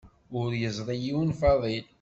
Ur yeẓri yiwen Faḍil.